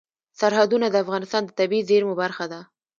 سرحدونه د افغانستان د طبیعي زیرمو برخه ده.